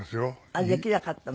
あっできなかったの？